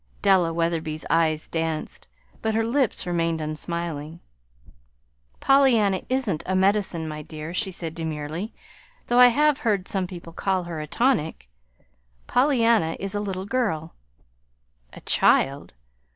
Della Wetherby's eyes danced, but her lips remained unsmiling. "Pollyanna isn't a medicine, my dear," she said demurely, " though I have heard some people call her a tonic. Pollyanna is a little girl." "A child?